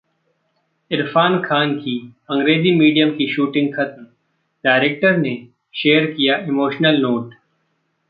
इरफान खान की अंग्रेजी मीडियम की शूटिंग खत्म, डायरेक्टर ने शेयर किया इमोशनल नोट